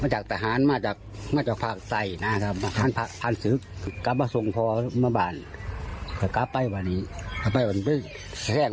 หลุกชายผลไม่ก็ตายพอสร้าง